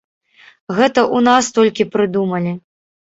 Гэта ў нас толькі прыдумалі.